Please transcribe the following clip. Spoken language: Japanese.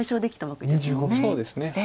そうですね。